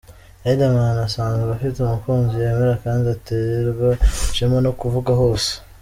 Riderman asanzwe afite umukunzi yemera kandi aterwa ishema no kuvuga hose.